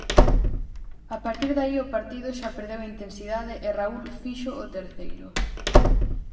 A partir de aí o partido xa perdeu intensidade e Raúl fixo o terceiro.